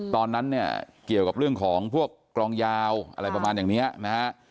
ตอนนั้นเนี่ยเกี่ยวกับเรื่องของพวกกลองยาวอะไรประมาณอย่างนี้นะฮะ